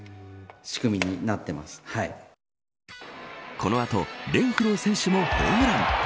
この後レンフロー選手もホームラン。